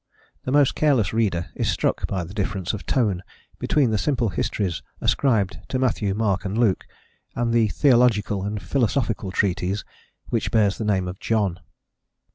The most careless reader is struck by the difference of tone between the simple histories ascribed to Matthew, Mark, and Luke, and the theological and philosophical treatise which bears the name of John.